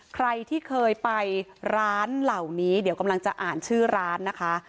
ใครที่เคยไปร้านเหล่านี้เดี๋ยวกำลังจะอ่านชื่อร้านนะคะ